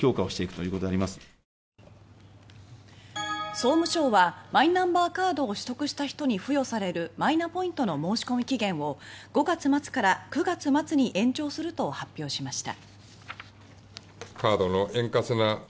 総務省は、マイナンバーカードを取得した人に付与されるマイナポイントの申し込み期限を５月末から９月末に延長すると発表しました。